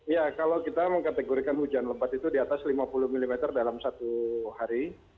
ya kalau kita mengkategorikan hujan lebat itu di atas lima puluh mm dalam satu hari